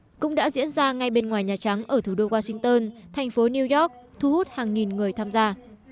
cũng đã diễn ra ngay bên ngoài nhà trắng ở thủ đô washington thành phố new york thu hút hàng nghìn người tham gia